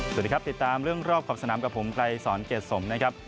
สวัสดีครับติดตามเรื่องรอบขอบสนามกับผมไกรสอนเกรดสมนะครับ